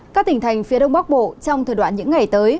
các tỉnh thành phía đông bắc bộ trong thời đoạn những ngày tới